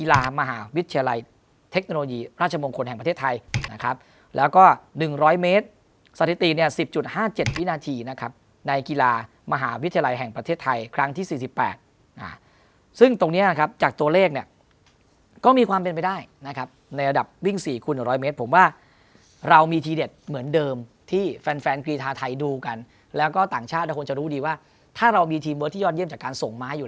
ราชบงคลแห่งประเทศไทยนะครับแล้วก็หนึ่งร้อยเมตรสถิติเนี้ยสิบจุดห้าเจ็ดวินาทีนะครับในกีฬามหาวิทยาลัยแห่งประเทศไทยครั้งที่สี่สิบแปดอ่าซึ่งตรงเนี้ยนะครับจากตัวเลขเนี้ยก็มีความเป็นไปได้นะครับในระดับวิ่งสี่คูณร้อยเมตรผมว่าเรามีทีเด็ดเหมือนเดิมที่แฟนแฟนกีธาไทยดู